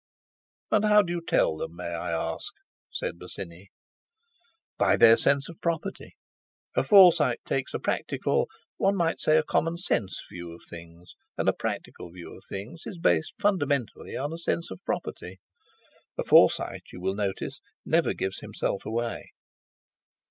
"And how do you tell them, may I ask?" said Bosinney. "By their sense of property. A Forsyte takes a practical—one might say a commonsense—view of things, and a practical view of things is based fundamentally on a sense of property. A Forsyte, you will notice, never gives himself away."